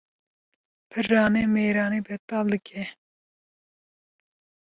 Piranî mêranî betal dike